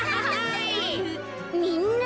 みんな。